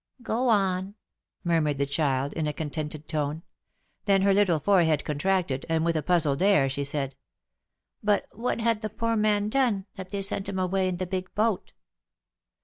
^^Go on," murmured the child, in a contented tone; then her little forehead contracted, and with a puzzled air she said : '^But what had the poor man done, that they sent him away in the big boat?"